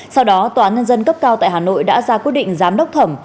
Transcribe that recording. sau đó tòa nhân dân cấp cao tại hà nội đã ra quy định giám đốc thẩm